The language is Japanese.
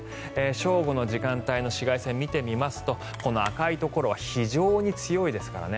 正午の時間帯の紫外線を見てみますとこの赤いところは非常に強いですからね。